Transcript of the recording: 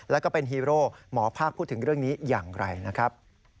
แล้วก็เป็นฮีโร่หมอภาคพูดถึงเรื่องนี้อย่างไรนะครับ